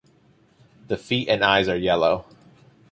The feet and eyes are yellow.